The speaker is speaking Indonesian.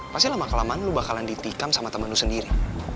pasti lama kelamaan lu bakalan ditikam sama temen lu sendiri